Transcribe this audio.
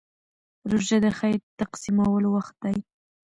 روژه د خیر تقسیمولو وخت دی.